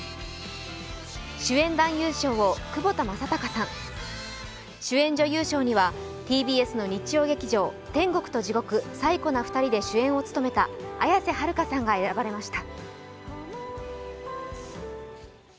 主演男優賞を窪田正孝さん、主演女優賞にはＴＢＳの日曜劇場、「天国と地獄サイコな２人」で主演を務めた綾瀬はるかさんが選ばれました。